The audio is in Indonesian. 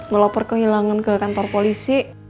mau loper kehilangan ke kantor polisi